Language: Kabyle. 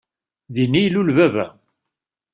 Din i ilul baba.